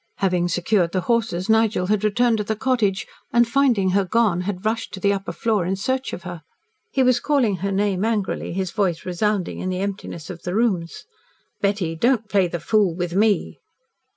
Having secured the horses, Nigel had returned to the cottage, and, finding her gone had rushed to the upper floor in search of her. He was calling her name angrily, his voice resounding in the emptiness of the rooms. "Betty; don't play the fool with me!"